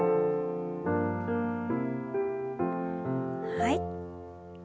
はい。